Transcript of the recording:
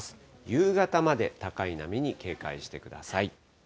夕方まで高い波に警戒してください。